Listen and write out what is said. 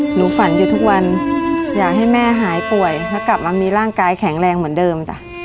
หนูฝันอยู่ทุกวันอยากให้แม่หายป่วยแล้วกลับมามีร่างกายแข็งแรงเหมือนเดิมจ้ะ